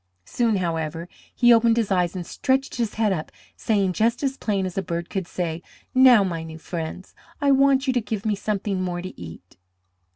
Soon, however, he opened his eyes and stretched his head up, saying just as plain as a bird could say, "Now, my new friends, I want you to give me something more to eat."